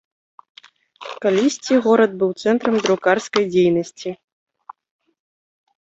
Калісьці горад быў цэнтрам друкарскай дзейнасці.